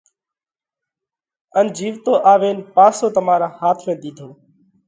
ان جيوَتو آوين پاسو تمارا هاٿ ۾ ۮِيڌو۔